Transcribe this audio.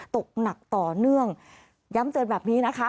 ตกหนักต่อเนื่องย้ำเตือนแบบนี้นะคะ